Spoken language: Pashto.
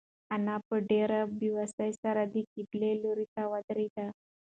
انا په ډېرې بېوسۍ سره د قبلې لوري ته ودرېده.